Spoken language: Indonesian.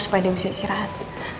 supaya dia bisa istirahat